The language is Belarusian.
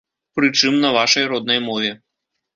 Прычым, на вашай роднай мове.